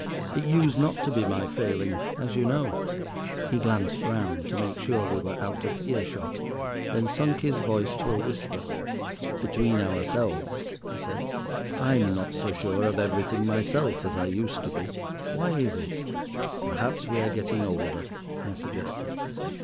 "It used not to be my failing, as you know." He glanced round to make sure we were out of earshot, then sunk his voice to a whisper. "Between ourselves," he said, "I'm not so sure of everything myself as I used to be. Why is it?" "Perhaps we are getting older," I suggested.